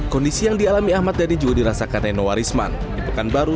kondisi yang dialami ahmad dhani juga dirasakan nenowarisman di pekanbaru